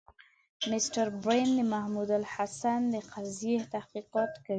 مسټر برن د محمودالحسن د قضیې تحقیقات کوي.